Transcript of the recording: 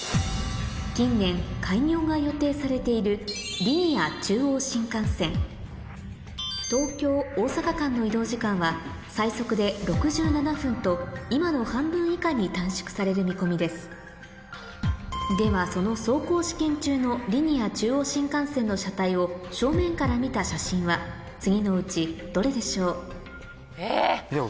近年開業が予定されている東京ー大阪間の移動時間は最速で６７分と今の半分以下に短縮される見込みですではその走行試験中のリニア中央新幹線の車体を正面から見た写真は次のうちどれでしょう？え！